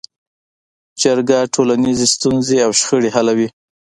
جرګه ټولنیزې ستونزې او شخړې حلوي